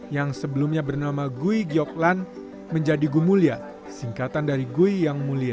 yang sebelumnya bernama gui gyoklan menjadi gumulya singkatan dari gui yang mulia